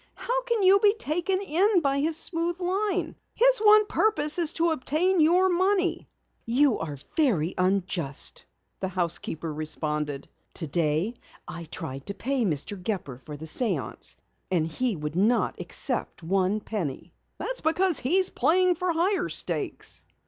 "How can you be taken in by his smooth line? His one purpose is to obtain your money." "You are very unjust," the housekeeper responded. "Today I tried to pay Mr. Gepper for the séance and he would not accept one penny." "That's because he is playing for higher stakes."